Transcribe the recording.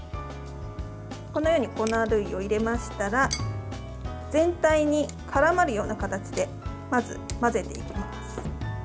このように粉類を入れましたら全体にからまるような形でまず、混ぜていきます。